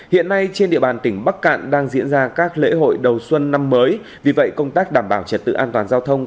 hiện nay trên địa bàn tỉnh bắc cạn đang diễn ra các lễ hội đầu xuân năm mới vì vậy công tác đảm bảo trật tự an toàn giao thông